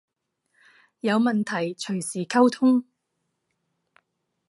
有問題隨時溝通